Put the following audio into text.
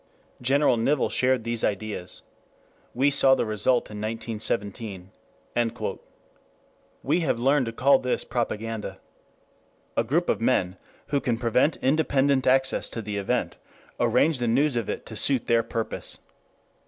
General Nivelle shared these ideas. We saw the result in 1917." We have learned to call this propaganda. A group of men, who can prevent independent access to the event, arrange the news of it to suit their purpose.